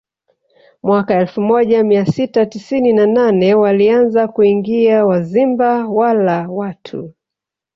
Mwaka elfu moja mia sita tisini na nane walianza kuingia Wazimba wala watu